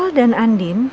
al dan andin